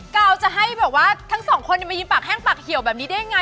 กาวจะให้แบบว่าทั้งสองคนมายืนปากแห้งปากเหี่ยวแบบนี้ได้ยังไง